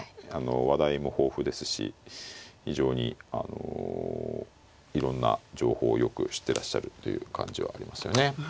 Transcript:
話題も豊富ですし非常にあのいろんな情報をよく知ってらっしゃるという感じはありますよね。